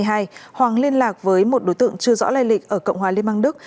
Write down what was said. hoàng liên lạc với một đối tượng chưa rõ lây lịch ở cộng hòa liên bang đức